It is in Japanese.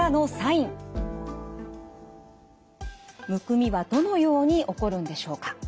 むくみはどのように起こるんでしょうか。